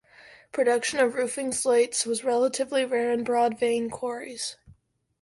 Production of roofing slates was relatively rare in Broad Vein quarries.